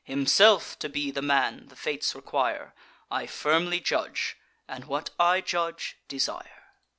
Himself to be the man the fates require, I firmly judge, and, what I judge, desire."